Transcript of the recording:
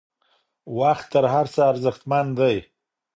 وخت تر هر څه ارزښتمن دی.